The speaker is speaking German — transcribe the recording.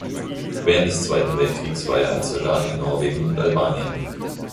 Während des Zweiten Weltkriegs war er als Soldat in Norwegen und Albanien.